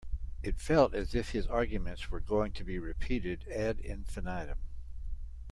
It felt as if his arguments were going to be repeated ad infinitum